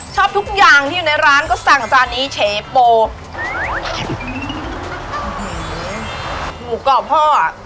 ชอบทุกอย่างที่อยู่ในร้านก็สั่งจานนี้เฉโปหมูกรอบพ่ออ่ะ